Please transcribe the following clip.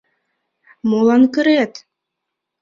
Молан кырет?